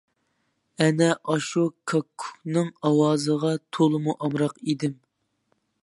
ئەنە ئاشۇ كاككۇكنىڭ ئاۋازىغا تولىمۇ ئامراق ئىدىم.